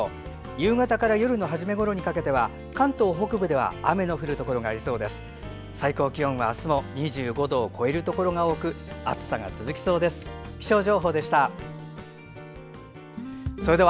夕方から夜の初めごろにかけては関東北部では雨の降るところがありそうです。